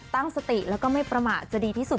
ตั้งสติแล้วก็ไม่ประมาทจะดีที่สุด